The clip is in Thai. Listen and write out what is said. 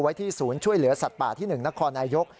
ไว้ที่ศูนย์ช่วยเหลือสัตว์ป่าที่๑นครนายก